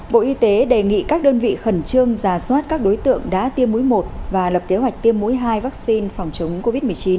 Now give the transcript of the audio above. bộ y tế đề nghị các đơn vị khẩn trương giả soát các đối tượng đã tiêm mũi một và lập kế hoạch tiêm mũi hai vaccine phòng chống covid một mươi chín